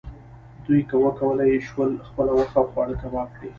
دوی وکولی شول خپله غوښه او خواړه کباب کړي.